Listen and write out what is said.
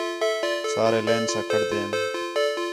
سارے لائن سا کھڑدین